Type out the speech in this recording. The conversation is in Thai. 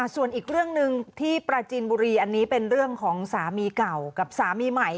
ส่วนอีกเรื่องหนึ่งที่ปราจีนบุรีอันนี้เป็นเรื่องของสามีเก่ากับสามีใหม่